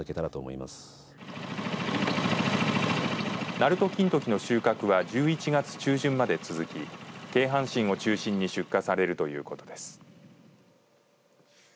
なると金時の収穫は１１月中旬まで続き京阪神を中心に出荷されるということです。